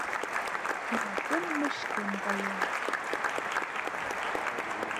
Тӧрлатем мый шкем гаем